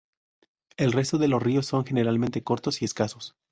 El resto de los ríos son generalmente cortos y escasos.